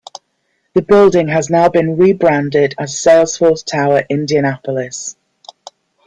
The building has now been rebranded as Salesforce Tower Indianapolis.